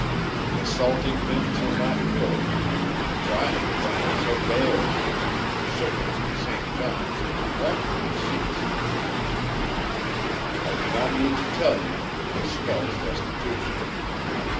The salting bins are not filled, the drying frames are bare, the shipments to St. John's have practically ceased. "I do not need to tell you that this spells destitution.